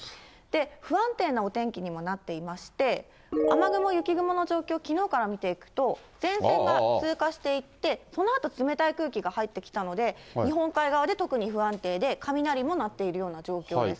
不安定のお天気にもなっていまして、雨雲、雪雲の状況、きのうから見ていくと、前線が通過していって、そのあと冷たい空気が入ってきたので、日本海側で特に不安定で、雷も鳴っているような状況です。